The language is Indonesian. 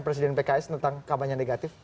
presiden pks tentang kampanye negatif